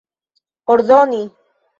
ordoni